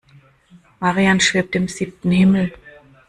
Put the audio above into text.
Marian schwebt im siebten Himmel.